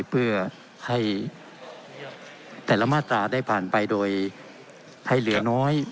เพื่อให้แต่ละมาตราได้ผ่านไปโดยให้เหลือน้อย